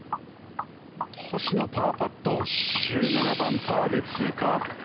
星野、パーパット１７番、パーで通過。